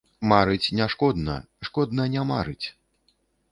Марыць не шкодна, шкодна не марыць.